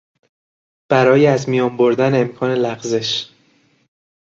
برای از میان بردن امکان لغزش